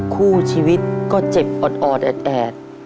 คู่ชีวิตก็เจ็บออดแอด